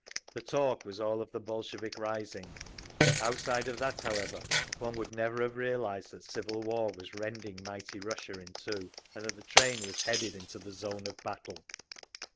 The talk was all of the Bolshevik rising. Outside of that, however, one would never have realised that civil war was rending mighty Russia in two, and that the train was headed into the zone of battle.